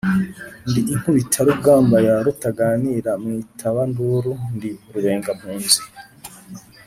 ndi inkubitarugamba ya Rutaganira, Mwitabanduru ndi Rubengampunzi.